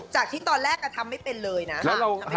จากที่ตอนแรกกระทำไม่เป็นเลยนะ